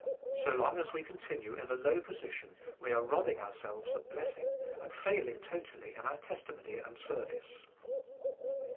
So long as we continue in a low position, we are robbing ourselves of blessing, and failing totally in our testimony and service.